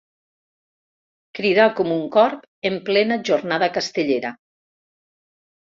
Cridar com un corb en plena jornada castellera.